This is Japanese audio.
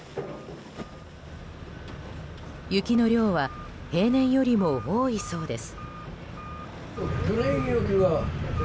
雪の量は平年よりも多いそうです。